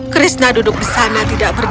krishna duduk di sana tidak berdiri